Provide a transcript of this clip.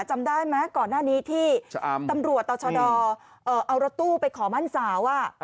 จำได้ไหมก่อนหน้านี้ที่ตำรวจต่อชะดอเอารถตู้ไปขอมั่นสาว